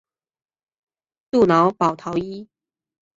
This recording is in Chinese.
杜瑙保陶伊。